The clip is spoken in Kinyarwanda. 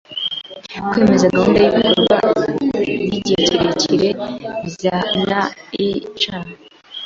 kwemeza gahunda y’ibikorwa by’igihe kirekire bya NIC;